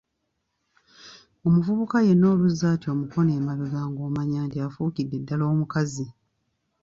Omuvubuka yenna oluzza ati omukono emabega ng'omanya nti afuukidde ddala omukazi.